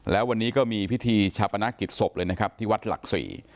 แล้ววันนี้ก็มีพิธีชาปนกิจศพเลยนะครับที่วัดหลักศรี